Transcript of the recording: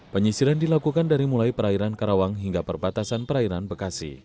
penyisiran dilakukan dari mulai perairan karawang hingga perbatasan perairan bekasi